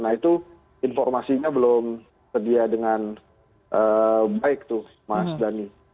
nah itu informasinya belum sedia dengan baik tuh mas dhani